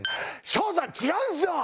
翔さん違うんですよ！